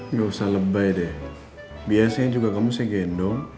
nggak usah lebay deh biasanya juga kamu saya gendong